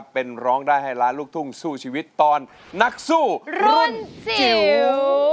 เป็นร้องได้ให้ล้านลูกทุ่งสู้ชีวิตตอนนักสู้รุ่นจิ๋ว